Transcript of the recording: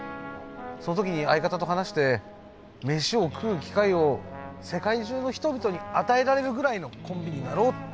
その時に相方と話して飯を食う機会を世界中の人々に与えられるぐらいのコンビになろうって。